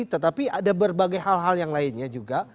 tetapi ada berbagai hal hal yang lainnya juga